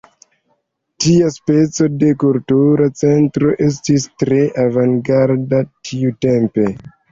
Tia speco de kultura centro estis tre avangarda tiutempe.